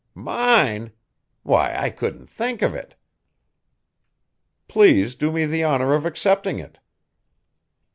"Mine! Why, I couldn't think of it." "Please do me the honor of accepting it."